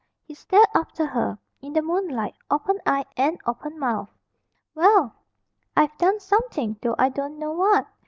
He stared after her, in the moonlight, open eyed and open mouthed. "Well ! I've done something, though I don't know what.